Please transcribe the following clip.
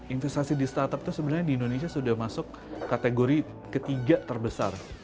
investasi di startup itu sebenarnya di indonesia sudah masuk kategori ketiga terbesar